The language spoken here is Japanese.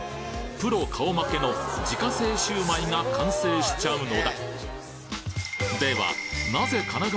プロ顔負けの自家製シュウマイが完成しちゃうのだ！